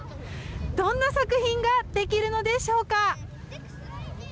どんな作品ができるのでしょうか。